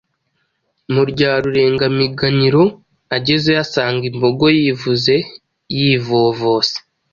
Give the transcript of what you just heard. mu rya Rurengamiganyiro. Agezeyo asanga imbogo yivuze yivovose